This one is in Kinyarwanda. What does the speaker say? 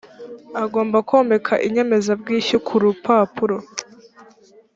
agomba komeka inyemezabwishyu ku urupapuro